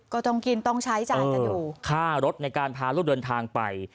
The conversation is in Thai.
ก็ต้องกินต้องใช้จ่ายกันอยู่ค่ารถในการพาลูกเดินทางไป